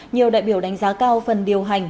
nhiều đại biểu đánh giá cao phần điều hành